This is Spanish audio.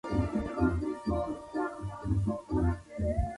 Juanita nunca más volvería a Cuba ni a reunirse con Raúl o Fidel.